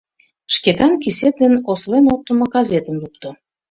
Шкетан кисет ден осылен оптымо газетым лукто.